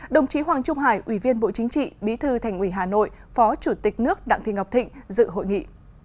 đồng chí hoàng trung hải ủy viên bộ chính trị bí thư thành ủy hà nội phó chủ tịch nước đặng thị ngọc thịnh dự hội nghị